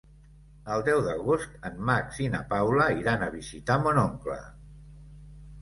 El deu d'agost en Max i na Paula iran a visitar mon oncle.